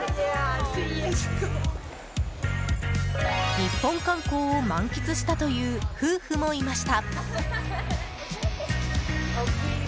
日本観光を満喫したという夫婦もいました。